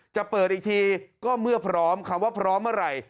จะเปิดอีกทีก็เมื่อพร้อมคำว่าพร้อมเมื่อไหร่